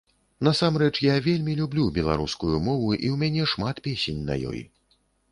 Насамрэч, я вельмі люблю беларускую мову, і ў мяне шмат песень на ёй.